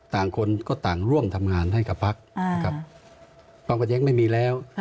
ต่างคนก็ต่างร่วมทำงานให้กับพักนะครับความขัดแย้งไม่มีแล้ว